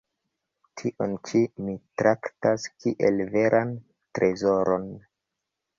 Ĉion ĉi mi traktas kiel veran trezoron.